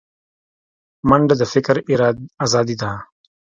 منډه د فکر ازادي ده